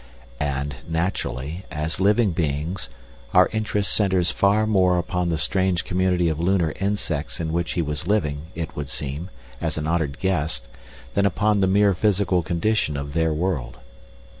And, naturally, as living beings, our interest centres far more upon the strange community of lunar insects in which he was living, it would seem, as an honoured guest than upon the mere physical condition of their world.